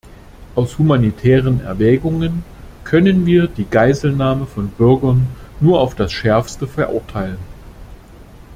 Aus humanitären Erwägungen können wir die Geiselnahme von Bürgern nur auf das Schärfste verurteilen.